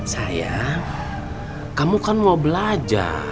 saya kamu kan mau belajar